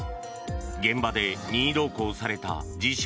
現場で任意同行された自称